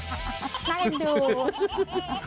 น่าเห็นดู